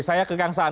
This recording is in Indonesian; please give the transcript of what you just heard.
saya ke kang saan